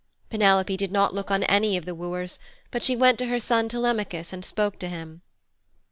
Penelope did not look on any of the wooers, but she went to her son, Telemachus, and spoke to him.